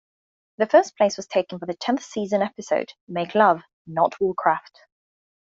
The first place was taken by the tenth season episode "Make Love, Not Warcraft".